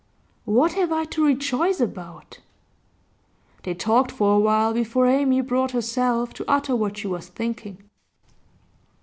'What have I to rejoice about?' They talked for a while before Amy brought herself to utter what she was thinking.